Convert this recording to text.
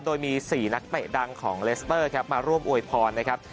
โดยมี๔นักเตะดังของเลสเตอร์ครับมาร่วมอวยพรนะครับ